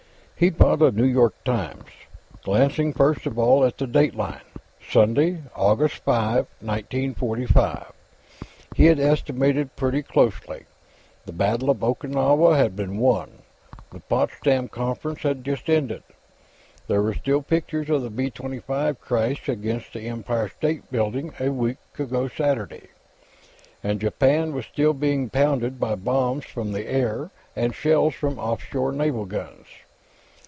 He bought a New York Times, glancing first of all at the date line. Sunday, August 5, 1945; he'd estimated pretty closely. The battle of Okinawa had been won. The Potsdam Conference had just ended. There were still pictures of the B 25 crash against the Empire State Building, a week ago Saturday. And Japan was still being pounded by bombs from the air and shells from off shore naval guns.